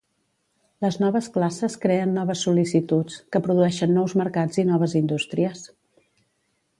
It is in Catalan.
Les noves classes creen noves sol·licituds, que produeixen nous mercats i noves indústries.